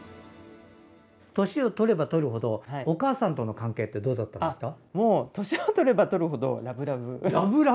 年をとればとる程お母さんとの関係ってどうだったんですか？